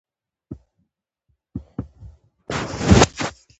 په کابل کې تعلیمي او علمي سیمینارونو جوړیږي